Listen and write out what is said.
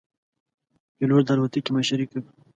پیلوټ د الوتکې مشري کوي.